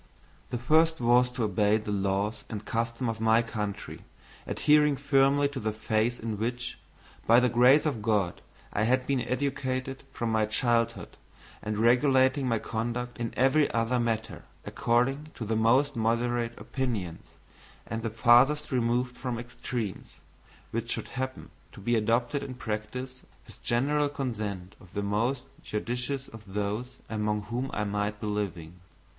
The first was to obey the laws and customs of my country, adhering firmly to the faith in which, by the grace of God, I had been educated from my childhood and regulating my conduct in every other matter according to the most moderate opinions, and the farthest removed from extremes, which should happen to be adopted in practice with general consent of the most judicious of those among whom I might be living.